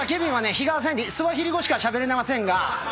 日が浅いんでスワヒリ語しかしゃべれませんが。